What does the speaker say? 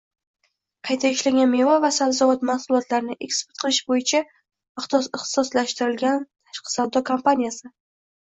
qayta ishlangan meva va sabzavot mahsulotlarini eksport qilish bo‘yicha ixtisoslashtirilgan tashqi savdo kompaniyasi